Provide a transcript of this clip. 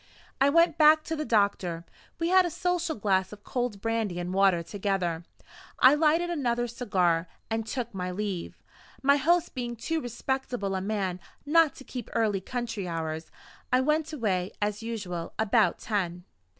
I went back to the doctor; we had a social glass of cold brandy and water together; I lighted another cigar, and took my leave. My host being too respectable a man not to keep early country hours, I went away, as usual, about ten.